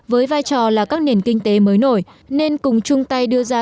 với vai trò là các nền kinh tế mới nổi nên cùng chung tay đưa ra